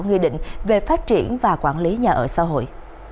nghị định về phát triển và quản lý nhà ở xã hội